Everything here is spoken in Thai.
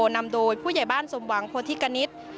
นำโดยผู้ใหญ่บ้านสมหวังโพธิกณิต